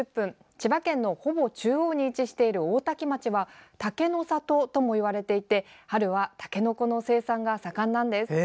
千葉県のほぼ中央に位置している大多喜町は竹の里ともいわれていて春はたけのこの生産が盛んです。